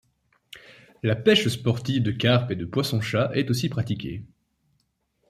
La pêche sportive de carpes et de poissons-chats est aussi pratiquée.